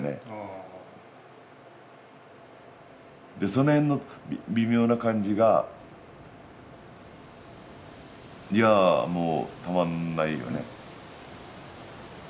そのへんの微妙な感じがいやもうたまんないよね。